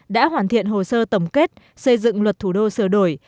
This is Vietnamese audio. đã hoàn thiện hồ sơ tổng kết xây dựng luật thủ đô sửa đổi